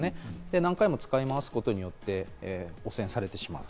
何回も使い回すことによって汚染されてしまう。